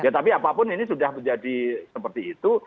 tapi apapun ini sudah menjadi seperti itu